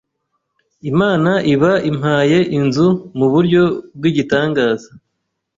Imana iba impaye inzu mu buryo bw’igitangaza